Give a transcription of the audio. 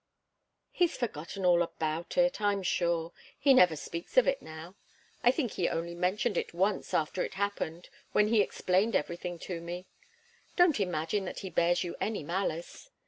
"He's forgotten all about it, I'm sure. He never speaks of it now. I think he only mentioned it once after it happened, when he explained everything to me. Don't imagine that he bears you any malice.